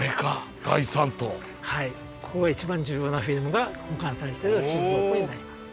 ここが一番重要なフィルムが保管されてる収蔵庫になります。